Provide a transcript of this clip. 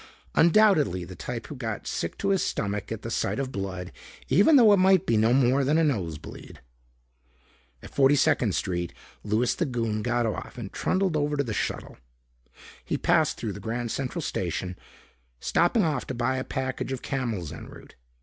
Undoubtedly the type who got sick to his stomach at the sight of blood even though it might be no more than a nose bleed. At 42nd Street, Louis the Goon got off and trundled over to the shuttle. He passed through the Grand Central Station, stopping off to buy a package of Camels en route.